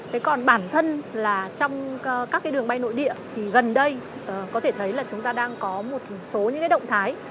thế còn bản thân là trong các cái đường bay nội địa thì gần đây có thể thấy là chúng ta đang có một số những cái động thái